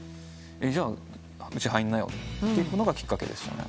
「じゃあうち入んなよ」っていうのがきっかけでしたね。